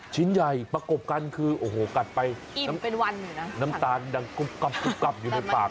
ชิ้นใหญ่ประกบกันคือโอ้โหกัดไปน้ำตาลยังกลับอยู่ในปาก